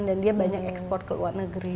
dan dia banyak ekspor ke luar negeri